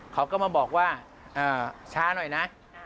เขาก็มาบอกว่าช้าหน่อยนะ